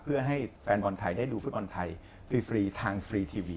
เพื่อให้แฟนบอลไทยได้ดูฟุตบอลไทยฟรีทางฟรีทีวี